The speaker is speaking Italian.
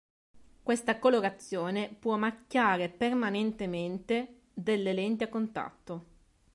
Questa colorazione può macchiare permanentemente delle lenti a contatto.